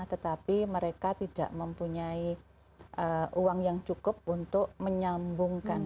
tetapi mereka tidak mempunyai uang yang cukup untuk menyambungkan